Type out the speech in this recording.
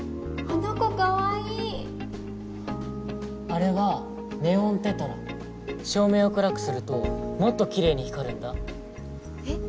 あれはネオンテトラ照明を暗くするともっときれいに光るんだえっ